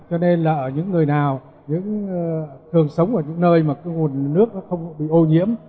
cho nên là những người nào thường sống ở những nơi mà nguồn nước không bị ô nhiễm